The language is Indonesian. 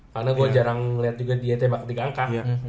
karena gue jarang liat juga dia tebak tiga angka